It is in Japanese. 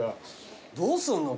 どうすんの？